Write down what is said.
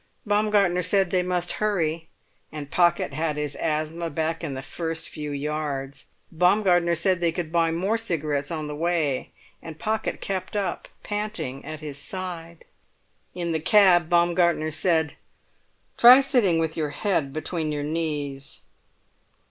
Baumgartner said they must hurry, and Pocket had his asthma back in the first few yards. Baumgartner said they could buy more cigarettes on the way, and Pocket kept up, panting, at his side. In the cab Baumgartner said, "Try sitting with your head between your knees."